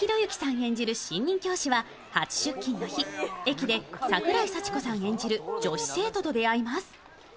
演じる新任教師は初出勤の日、駅で、桜井幸子さん演じる女子生徒と出会います。